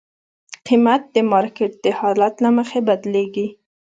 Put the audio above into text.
قیمت د مارکیټ د حالت له مخې بدلېږي.